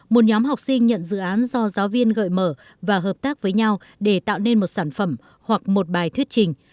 một nhóm học sinh nhận dự án do giáo viên gợi mở và hợp tác với nhau để tạo nên một sản phẩm hoặc một bài thuyết trình